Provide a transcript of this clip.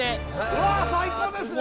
うわ最高ですね！